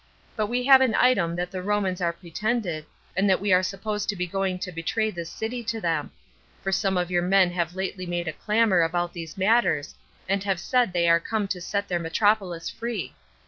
But we have an item that the Romans are pretended, and that we are supposed to be going to betray this city to them; for some of your men have lately made a clamor about those matters, and have said they are come to set their metropolis free.